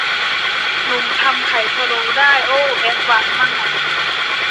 หนูทำไข่พะโล้ได้ โอ้ แอดวานซ์มาก